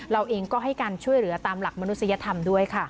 เราเองก็ให้การช่วยเหลือตามหลักมนุษยธรรมด้วยค่ะ